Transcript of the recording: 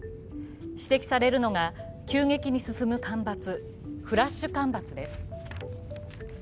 指摘されるのが級で気に進む干ばつ、フラッシュ干ばつです。